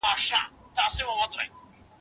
ویروسونه هم د برس په سر کې ژوند کوي.